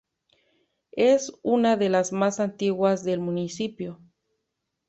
Es una de las mas antiguas del municipio.